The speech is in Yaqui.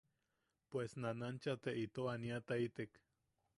Pues nanancha te ito ania- taitek.